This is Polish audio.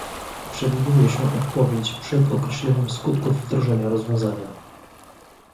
Przewiduje się odpowiedź przed określeniem skutków wdrożenia rozwiązania